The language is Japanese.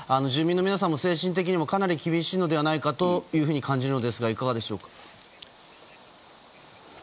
住民の皆さんも精神的にもかなり厳しいのではないかと感じるのですがいかがでしょうか？